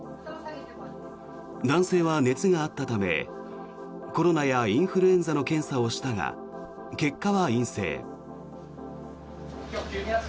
男性は熱があったためコロナやインフルエンザの検査をしたが結果は陰性。